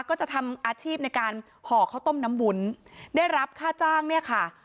ก็จะทำอาชีพในการห่อข้าวต้มน้ำวุ้นได้รับค่าจ้างเนี่ยค่ะ